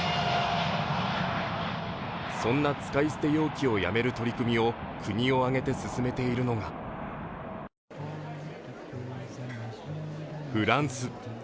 そんな使い捨て容器をやめる取り組みを国を挙げて進めているのはフランス。